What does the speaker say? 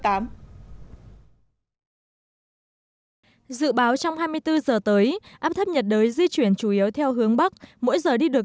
dự báo trong hai mươi bốn giờ tới áp thấp nhiệt đới di chuyển trong vùng biển phía đông đảo hải nam trung quốc